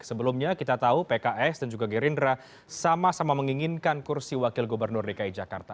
sebelumnya kita tahu pks dan juga gerindra sama sama menginginkan kursi wakil gubernur dki jakarta